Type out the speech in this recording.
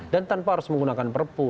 dan tanpa harus menggunakan perpu